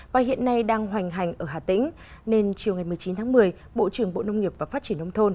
và hiện nay đang hoành hành ở hà tĩnh nên chiều ngày một mươi chín tháng một mươi bộ trưởng bộ nông nghiệp và phát triển nông thôn